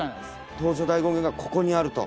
東照大権現がここにあると。